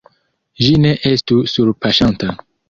Ĝi ne estu surpaŝanta.